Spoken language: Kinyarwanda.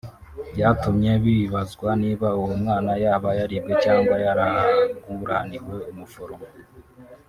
Byatumye hibazwa niba uwo mwana yaba yaribwe cyangwa yaraguraniwe n’umuforomo